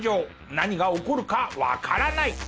何が起こるかわからない！